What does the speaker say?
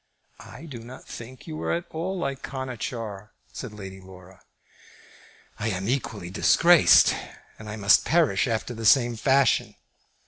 "I do not think you are at all like Conachar," said Lady Laura. "I am equally disgraced, and I must perish after the same fashion.